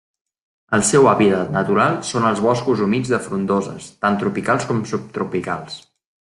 El seu hàbitat natural són els boscos humits de frondoses, tant tropicals com subtropicals.